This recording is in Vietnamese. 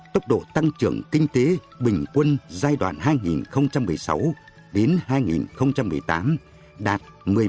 tốc độ tăng trưởng kinh tế bình quân giai đoạn hai nghìn một mươi sáu đến hai nghìn một mươi tám đạt một mươi ba chín mươi tám